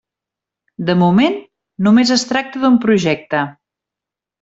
De moment, només es tracta d'un projecte.